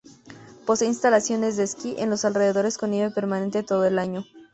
Posee instalaciones de esquí en los alrededores con nieve permanente todo el año.